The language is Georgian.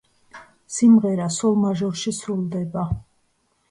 სიმღერა სოლ მაჟორში სრულდება.